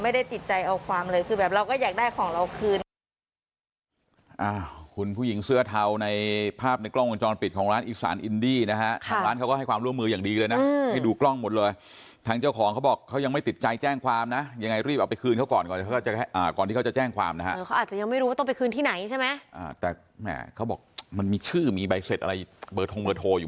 ติดใจเอาความเลยคือแบบเราก็อยากได้ของเราคืน